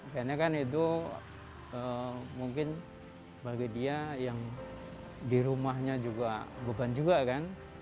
karena kan itu mungkin bagi dia yang di rumahnya juga beban juga kan